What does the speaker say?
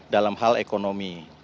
dalam hal ekonomi